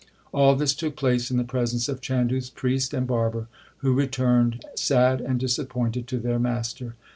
All this took place in the presence of Chandu s priest and barber, who returned sad and disappointed to their master.